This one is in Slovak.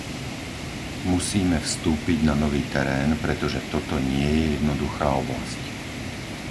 Musíme vstúpiť na nový terén, pretože toto nie je jednoduchá oblasť.